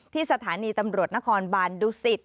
ที่สถานีตำรวจนครบาลดูสิทธิ์